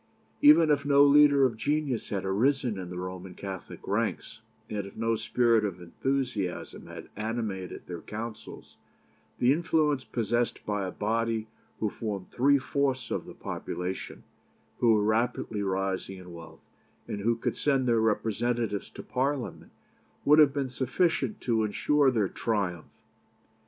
Even if no leader of genius had arisen in the Roman Catholic ranks, and if no spirit of enthusiasm had animated their councils, the influence possessed by a body who formed three fourths of the population, who were rapidly rising in wealth, and who could send their representatives to Parliament, would have been sufficient to ensure their triumph.